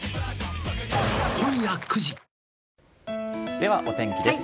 ではお天気です。